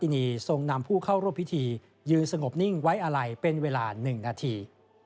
นีทรงนำผู้เข้าร่วมพิธียืนสงบนิ่งไว้อาลัยเป็นเวลา๑นาที